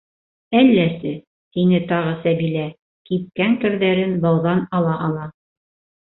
Әлләсе, - тине тағы Сәбилә, кипкән керҙәрен бауҙан ала-ала.